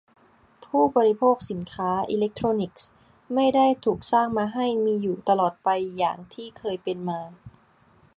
ผู้บริโภคสินค้าอิเลคโทรนิกส์ไม่ได้ถูกสร้างมาให้มีอยู่ตลอดไปอย่างที่เคยเป็นมา